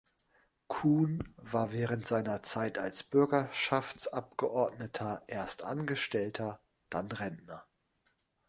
Kuhn war während seiner Zeit als Bürgerschaftsabgeordneter erst Angestellter, dann Rentner.